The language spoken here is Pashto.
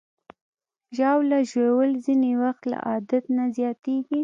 ژاوله ژوول ځینې وخت له عادت نه زیاتېږي.